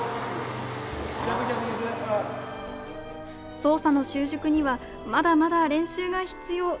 操作の習熟にはまだまだ練習が必要。